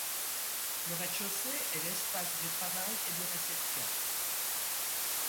Le rez-de-chaussée est l'espace de travail et de réception.